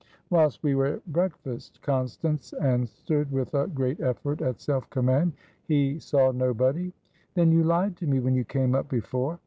"Whilst we were at breakfast," Constance answered, with a great effort at self command. "He saw nobody." "Then you lied to me when you came up before?"